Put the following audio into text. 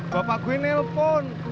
bapak gue nelfon